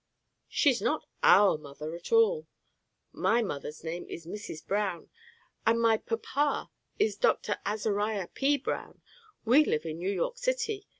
She's not our mother at all. My mother's name is Mrs. Brown, and my papa is Dr. Azariah P. Brown. We live in New York city.